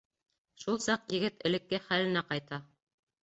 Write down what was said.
Шул саҡ егет элекке хәленә ҡайта.